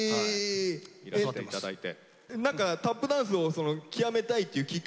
いらしていただいて。